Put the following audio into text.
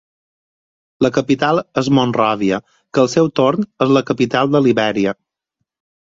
La capital és Monròvia, que al seu torn és la capital de Libèria.